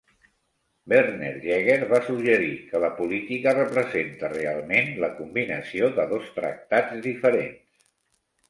Werner Jaeger va suggerir que la política representa realment la combinació de dos tractats diferents.